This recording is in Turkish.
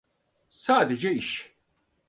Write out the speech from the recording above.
Sadece iş.